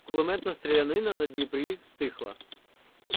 Кулеметна стрілянина на Дніпрі стихла.